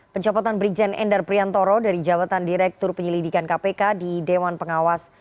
pencopotan brigjen endar priantoro dari jabatan direktur penyelidikan kpk di dewan pengawas